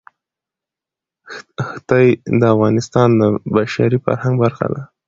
ښتې د افغانستان د بشري فرهنګ برخه ده.